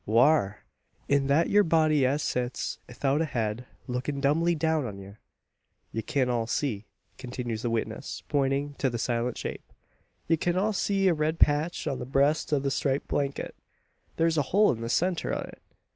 "Whar! In thet thur body as sits 'ithout a head, lookin' dumbly down on ye! "Ye kin all see," continues the witness, pointing to the silent shape, "ye kin all see a red patch on the breast o' the striped blanket. Thur's a hole in the centre o' it.